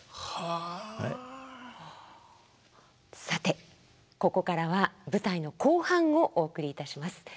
さてここからは舞台の後半をお送りいたします。